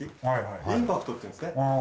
インパクトっていうんですね。